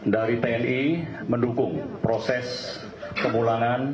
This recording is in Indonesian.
dari tni mendukung proses pemulangan